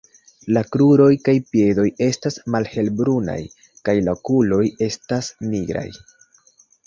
La kruroj kaj piedoj estas malhelbrunaj kaj la okuloj estas nigraj.